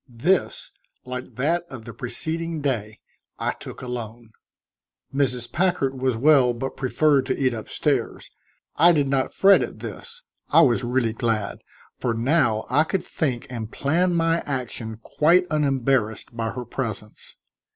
This, like that of the preceding day, I took alone. Mrs. Packard was well but preferred to eat up stairs. I did not fret at this; I was really glad, for now I could think and plan my action quite unembarrassed by her presence.